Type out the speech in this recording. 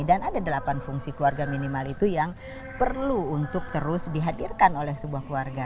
dan ada delapan fungsi keluarga minimal itu yang perlu untuk terus dihadirkan oleh sebuah keluarga